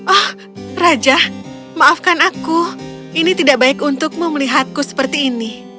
oh raja maafkan aku ini tidak baik untukmu melihatku seperti ini